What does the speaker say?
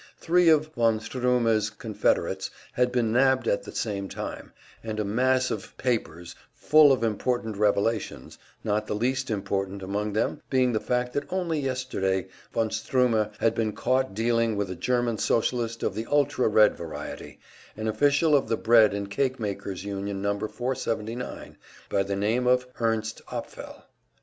Three of von Stroeme's confederates had been nabbed at the same time, and a mass of papers full of important revelations not the least important among them being the fact that only yesterday von Stroeme had been caught dealing with a German Socialist of the ultra Red variety, an official of the Bread and Cake Makers' Union Number 479, by the name of Ernst Apfel.